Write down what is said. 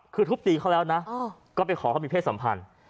คือทุบตีเขาแล้วนะก็ไปขอเขามีเพศสัมพันธ์